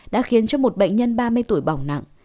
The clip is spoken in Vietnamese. đã khiến cho một bệnh nhân ba mươi tuổi bỏng nặng